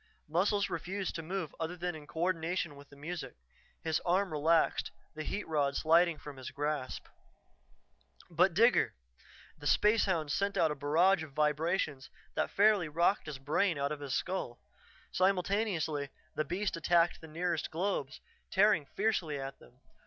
Muscles refused to move other than in coordination with the music. His arm relaxed, the heat rod sliding from his grasp. But Digger! The spacehound sent out a barrage of vibrations that fairly rocked his brain out of his skull. Simultaneously, the beast attacked the nearest globes, tearing fiercely at them.